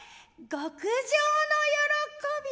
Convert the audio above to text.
極上の喜び